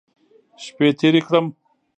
شپې تېرې کړم.